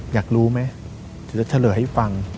อยากรู้มั้ยเธอจะเถอะให้ฟัง